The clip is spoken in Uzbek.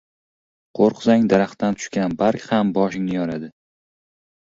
• Qo‘rqsang daraxtdan tushgan barg ham boshingni yoradi.